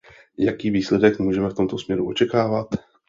Jaký výsledek můžeme v tomto směru očekávat?